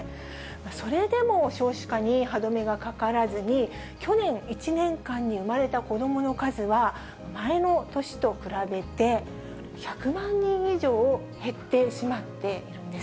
それでも少子化に歯止めがかからずに、去年１年間に生まれた子どもの数は、前の年と比べて１００万人以上減ってしまっているんです。